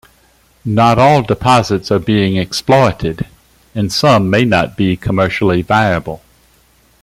Not all deposits are being exploited, and some may not be commercially viable.